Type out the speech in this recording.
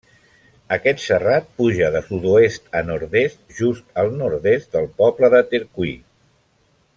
Aquest serrat puja de sud-oest a nord-est just al nord-est del poble de Tercui.